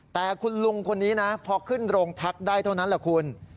แต่คุณลุงคนนี้นะพอขึ้นโรงพักได้เท่านั้นแหละคุณ